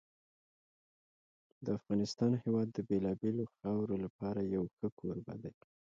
د افغانستان هېواد د بېلابېلو خاورو لپاره یو ښه کوربه دی.